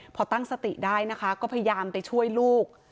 พอตั้งสติได้นะคะก็พยายามไปช่วยลูก